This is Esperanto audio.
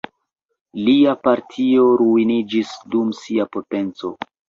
Lia partio ruiniĝis dum sia potenco.